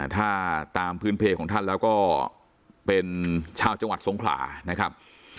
ถ้าตามพื้นเพลของท่านแล้วก็เป็นชาวจังหวัดสงขลานะครับ